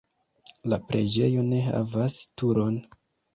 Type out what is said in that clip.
La preĝejo ne havas turon.